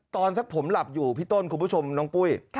ตอนถ้าผมหลับอยู่พี่ต้นคุณผู้ชมน้องปุ้ย